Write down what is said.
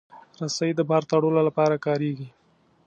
رسۍ د بار تړلو لپاره کارېږي.